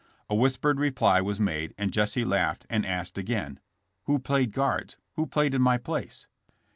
A whispered reply was made and Jesse laughed and asked again : Who played guards? Who played in my place?''